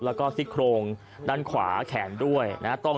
แล้วก็ซี่โครงด้านขวาแขนด้วยนะ